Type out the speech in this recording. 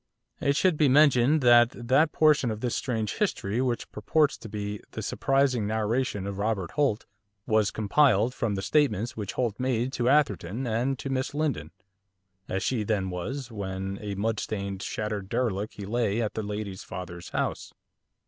It should be mentioned that that portion of this strange history which purports to be The Surprising Narration of Robert Holt was compiled from the statements which Holt made to Atherton, and to Miss Lindon, as she then was, when, a mud stained, shattered derelict he lay at the lady's father's house.